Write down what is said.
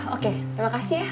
oke terima kasih ya